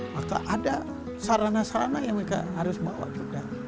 maka ada sarana sarana yang mereka harus bawa juga